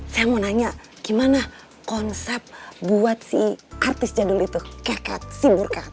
saya mau nanya gimana konsep buat si artis jadul itu keket simulka